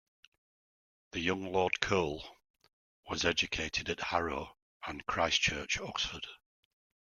The young Lord Cole was educated at Harrow and Christ Church, Oxford.